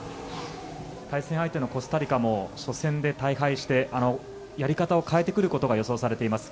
対戦相手のコスタリカも初戦で大敗してやり方を変えてくることが予想されています。